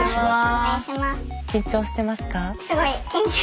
緊張してますか？